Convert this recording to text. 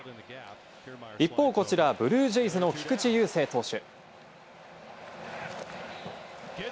一方、こちらブルージェイズの菊池雄星投手。